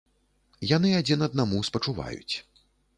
Яны адзін аднаму спачуваюць.